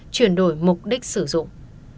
chuyển đổi mục đích sử dụng